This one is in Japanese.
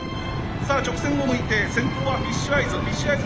さあ直線を向いて先頭はフィッシュアイズ。